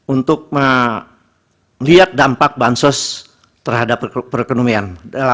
untuk melihat dampak bansos terhadap perekonomian